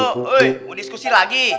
woy mau diskusi lagi